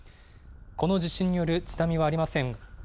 この地震による津波はありません。